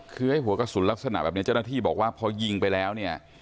คือไอ้หัวกระสุนลักษณะแบบนี้เจ้าหน้าที่บอกว่าพอยิงไปแล้วเนี่ย